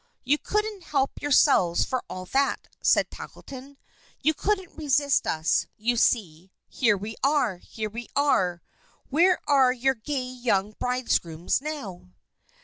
"You couldn't help yourselves for all that," said Tackleton. "You couldn't resist us, you see. Here we are! Here we are! Where are your gay young bridegrooms now?"